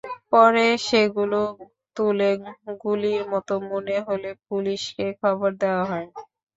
পরে সেগুলো তুলে গুলির মতো মনে হলে পুলিশকে খবর দেওয়া হয়।